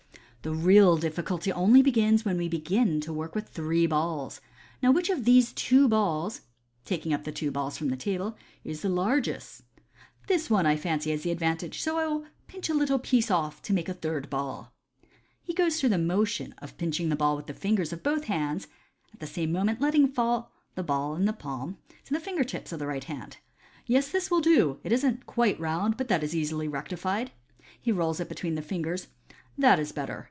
" The real difficulty only begins when we begin to work with three balls. Now which of these two balls " (taking up the two balls from the table) " is the la gest ? This one, I fancy, has the advantage, sol will pinch a little piece off to m* ko a third ball.*' He goes through the motion of pinching the ball with the fingers of both hands, at the same moment letting fall the ball in the palm to the tips of the fingers of the right hand. "Yes, this will do. It isn't quite round, but that is easily rectified.*' He rolls it between the fingers. "That is better.